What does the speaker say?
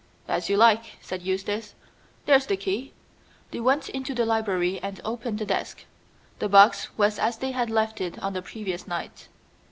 "As you like," said Eustace; "there's the key." They went into the library and opened the desk. The box was as they had left it on the previous night.